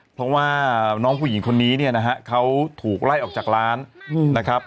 เพราะว่าน้องผู้หญิงคนนี้เนี่ยนะฮะเขาถูกไล่ออกจากร้านนะครับ